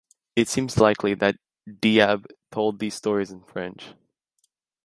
It seems likely that Diyab told these stories in French.